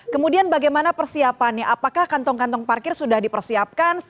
kemudian bagaimana persiapannya apakah kantong kantong parkir sudah dipersiapkan